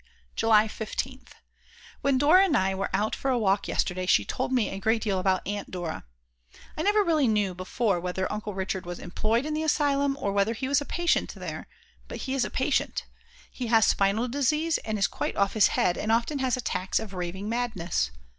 July 15th. When Dora and I were out for a walk yesterday she told me a great deal about Aunt Dora. I never really knew before whether Uncle Richard was employed in the asylum or whether he was a patient there; but he is a patient. He has spinal disease and is quite off his head and often has attacks of raving madness.